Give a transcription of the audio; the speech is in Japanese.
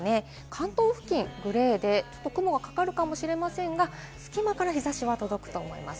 関東付近、グレーでちょっと雲がかかるかもしれませんが、隙間から日差しは届くと思います。